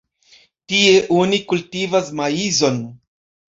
Tie oni kultivas maizon.